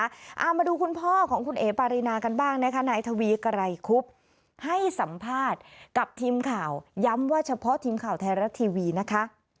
เอามาดูคุณพ่อของคุณเอ๋ปารีนากันบ้างนะคะนายทวีไกรคุบให้สัมภาษณ์กับทีมข่าวย้ำว่าเฉพาะทีมข่าวไทยรัฐทีวีนะคะ